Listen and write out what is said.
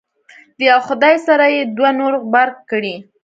د یو خدای سره یې دوه نور غبرګ کړي.